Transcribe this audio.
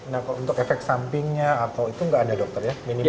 nah untuk efek sampingnya atau itu nggak ada dokter ya